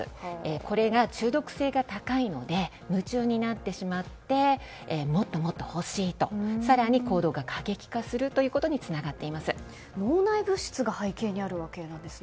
これが中毒性が高いので夢中になってしまってもっともっと欲しいと更に行動が過激化することに脳内物質が背景にあるわけなんですね。